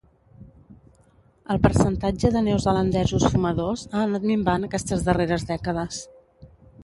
El percentatge de neozelandesos fumadors ha anat minvant aquestes darreres dècades.